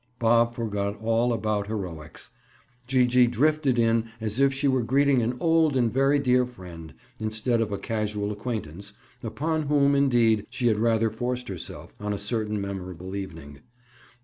Bob forgot all about heroics. Gee gee drifted in as if she were greeting an old and very dear friend, instead of a casual acquaintance, upon whom, indeed, she had rather forced herself, on a certain memorable evening.